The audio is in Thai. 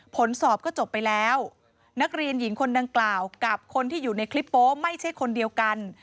ผลสอบก็จบไปแล้วนักเรียนหญิงคนดังกล่าวกับคนที่อยู่ในคลิปโป๊ไม่ใช่คนเดียวกัน